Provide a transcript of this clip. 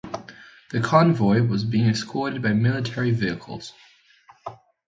The convoy was being escorted by military vehicles.